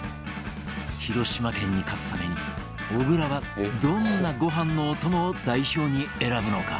広島県に勝つために小椋はどんなご飯のお供を代表に選ぶのか？